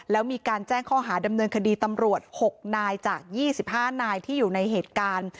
แล้วมีการแจ้งข้อหาดำเนินคดีตำรวจ๖นายจาก๒๕นายที่อยู่ในเหตุการณ์